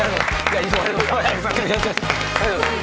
はい。